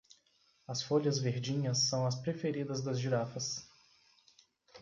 As folhas verdinhas são as preferidas das girafas